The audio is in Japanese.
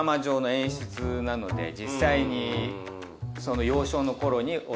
実際に。